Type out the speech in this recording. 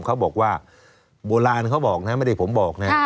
เขาบอกว่าโบราณเขาบอกนะไม่ได้ผมบอกนะ